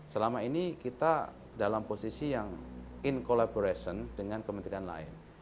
selama ini kita dalam posisi yang in collaboration dengan kementerian lain